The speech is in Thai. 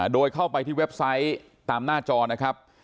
โดยเข้าไปที่เว็บไซต์ตามหน้าจอนะครับ